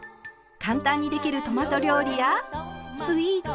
簡単にできるトマト料理やスイーツ。